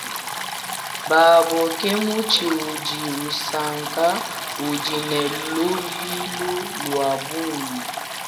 Bamboo ke mutshi udi usaka udi ne lubilu lua bungi.